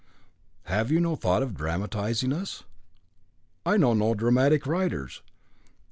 "Have you no thought of dramatising us?" "I know no dramatic writers."